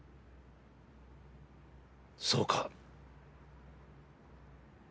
そうか。